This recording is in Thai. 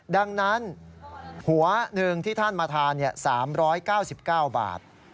ดังนั้นหัวหนึ่งที่ท่านมาทาน๓๙๙บาท